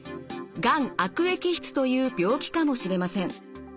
がん悪液質という病気かもしれません。